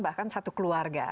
bahkan satu keluarga